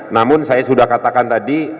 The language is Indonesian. namun saya sudah katakan tadi